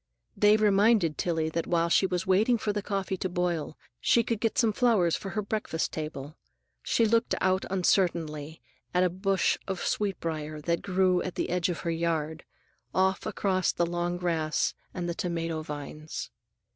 They reminded Tillie that while she was waiting for the coffee to boil she could get some flowers for her breakfast table. She looked out uncertainly at a bush of sweet briar that grew at the edge of her yard, off across the long grass and the tomato vines.